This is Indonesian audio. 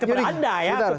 itu tidak terhadap anda ya